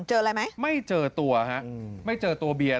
เจออะไรไหมไม่เจอตัวฮะไม่เจอตัวเบียร์